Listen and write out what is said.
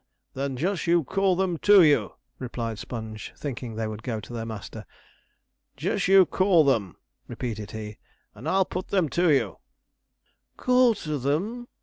'Then just you call them to you,' replied Sponge, thinking they would go to their master. 'Just you call them,' repeated he, 'and I'll put them to you.' 'call to them?'